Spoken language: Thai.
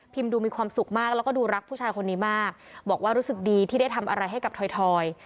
ดูมีความสุขมากแล้วก็ดูรักผู้ชายคนนี้มากบอกว่ารู้สึกดีที่ได้ทำอะไรให้กับถอย